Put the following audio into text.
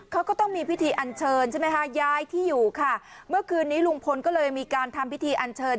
เขาก็ต้องมีพิธีอันเชิญใช่ไหมคะย้ายที่อยู่ค่ะเมื่อคืนนี้ลุงพลก็เลยมีการทำพิธีอันเชิญ